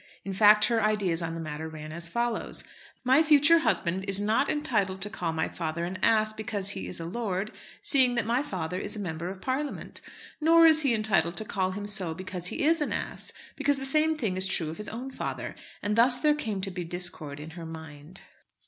In fact, her ideas on the matter ran as follows: My future husband is not entitled to call my father an ass because he is a lord, seeing that my father is a Member of Parliament. Nor is he entitled to call him so because he is an ass, because the same thing is true of his own father. And thus there came to be discord in her mind.